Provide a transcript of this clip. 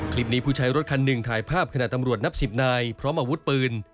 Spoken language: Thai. ผู้ใช้รถคันหนึ่งถ่ายภาพขณะตำรวจนับสิบนายพร้อมอาวุธปืน